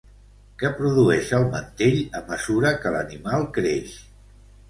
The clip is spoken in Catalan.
Què produeix el mantell a mesura que l'animal creix?